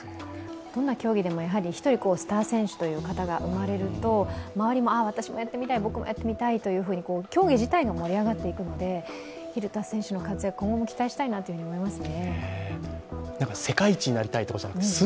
どんな競技でも１人スター選手が生まれると、周りも、私もやってみたい、僕もやってみたいと競技自体が盛り上がっていくので、晝田選手の活躍、今後期待したいなと思いますね。